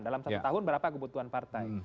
dalam satu tahun berapa kebutuhan partai